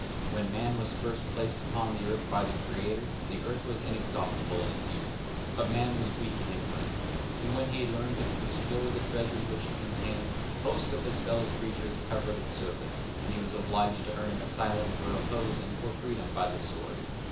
When man was first placed upon the earth by the Creator, the earth was inexhaustible in its youth, but man was weak and ignorant; and when he had learned to explore the treasures which it contained, hosts of his fellow creatures covered its surface, and he was obliged to earn an asylum for repose and for freedom by the sword.